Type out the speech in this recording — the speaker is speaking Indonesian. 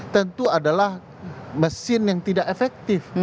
tentu adalah mesin yang tidak efektif